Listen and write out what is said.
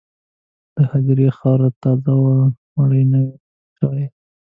د هدیرې خاوره تازه وه، مړی نوی ښخ شوی و.